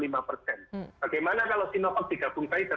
bagaimana kalau sinovac digabung pfizer